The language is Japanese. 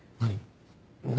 何？